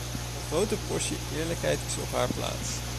Een grote portie eerlijkheid is op haar plaats.